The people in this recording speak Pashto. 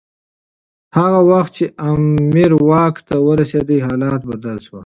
هغه وخت چي امیر واک ته ورسېد حالات بدل شول.